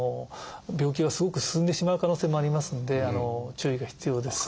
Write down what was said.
病気がすごく進んでしまう可能性もありますので注意が必要です。